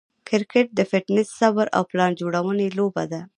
کرکټ د فټنس، صبر، او پلان جوړوني لوبه ده.